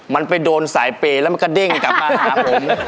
มันไปโดนสายเปย์แล้วมันก็เด้งกลับมาหาผม